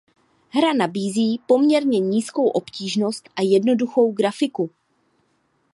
Hra nabízí poměrně nízkou obtížnost a jednoduchou grafiku.